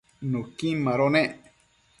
nuquin mado nec